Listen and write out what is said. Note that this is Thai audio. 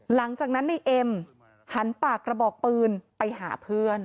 หลังจากนั้นในเอ็มหันปากกระบอกปืนไปหาเพื่อน